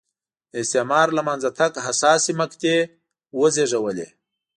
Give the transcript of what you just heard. د استعمار له منځه تګ حساسې مقطعې وزېږولې.